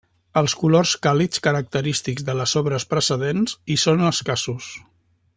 Els colors càlids característics de les obres precedents hi són escassos.